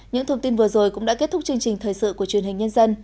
những thông tin vừa rồi cũng đã kết thúc chương trình thời sự của truyền hình nhân dân